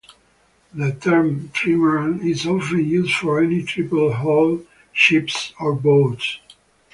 The term "trimaran" is often used for any triple-hull ships or boats.